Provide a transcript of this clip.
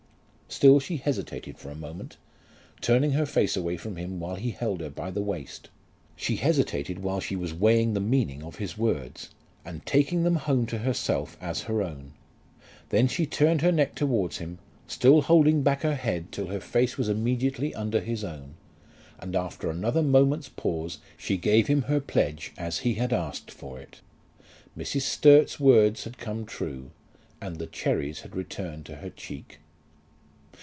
Still she hesitated for a moment, turning her face away from him while he held her by the waist. She hesitated while she was weighing the meaning of his words, and taking them home to herself as her own. Then she turned her neck towards him, still holding back her head till her face was immediately under his own, and after another moment's pause she gave him her pledge as he had asked it. Mrs. Sturt's words had come true, and the cherries had returned to her cheek.